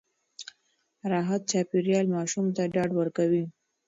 راحت چاپېريال ماشوم ته ډاډ ورکوي.